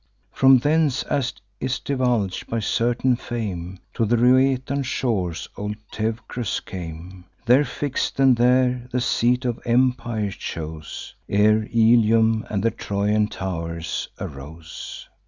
From thence, as 'tis divulg'd by certain fame, To the Rhoetean shores old Teucrus came; There fix'd, and there the seat of empire chose, Ere Ilium and the Trojan tow'rs arose.